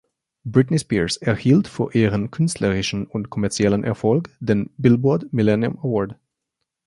Britney Spears erhielt für ihren künstlerischen und kommerziellen Erfolg den "Billboard" Millennium Award.